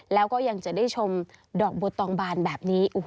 แล้วก็ยังจะได้ชมดอกบัวตองบานแบบนี้